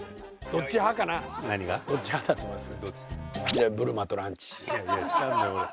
どっち派だと思います？